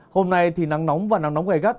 hôm nay thì nắng nóng và nắng nóng gai gắt